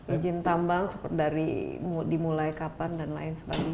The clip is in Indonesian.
izin tambang dari dimulai kapan dan lain sebagainya